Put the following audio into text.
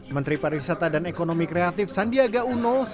menteri pariwisata dan ekonomi kreatif sandiaga uno